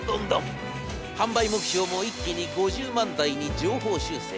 販売目標も一気に５０万台に上方修正。